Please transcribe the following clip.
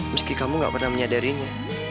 meski kamu gak pernah menyadarinya